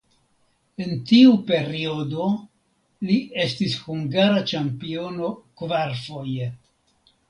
En tiu periodo li estis hungara ĉampiono kvarfoje.